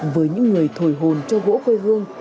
với những người thổi hồn cho gỗ quê hương